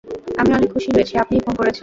আমি অনেক খুশি হয়েছি, আপনিই ফোন করেছেন।